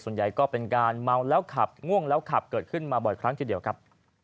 ส่วนใหญ่ก็เป็นการเมาแล้วขับง่วงแล้วขับเกิดขึ้นมาบ่อยครั้งทีเดียวครับ